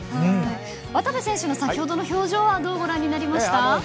渡部選手の先ほどの表情はどうご覧になりましたか？